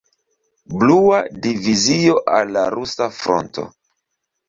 Blua Divizio al la Rusa Fronto.